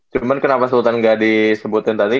cuman kenapa sultan gak disebutin tadi